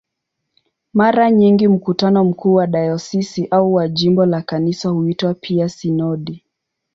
Mara nyingi mkutano mkuu wa dayosisi au wa jimbo la Kanisa huitwa pia "sinodi".